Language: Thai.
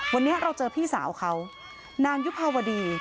วันนี้เราเจอพี่สาวเขานางยุภาวดี